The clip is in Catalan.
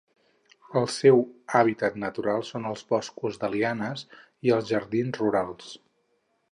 El seu hàbitat natural són els boscos de lianes i els jardins rurals.